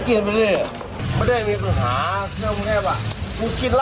กินไม่ได้